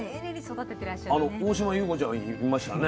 大島優子ちゃんがいましたね。